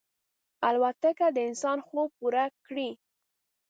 الوتکه د انسان خوب پوره کړی.